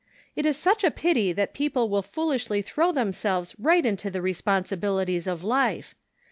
It is such a pity that people will foolishly throw themselves right into the responsibilities of life.